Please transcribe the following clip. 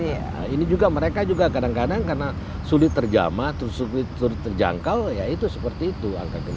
ini juga mereka juga kadang kadang karena sulit terjama terus sulit terjangkau ya itu seperti itu